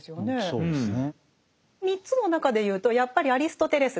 そうですね。